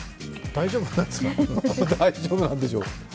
大丈夫なんでしょう。